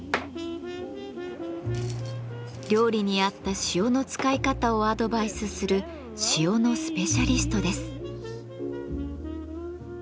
料理に合った塩の使い方をアドバイスする塩のスペシャリストです。